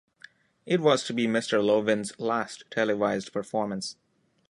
It was to be Mr. Louvin's last televised performance.